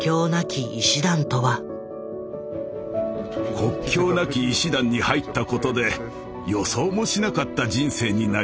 国境なき医師団に入ったことで予想もしなかった人生になりました。